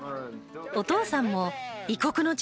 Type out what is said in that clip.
お父さんも異国の地